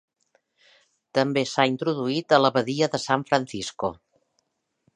També s'ha introduït a la badia de San Francisco.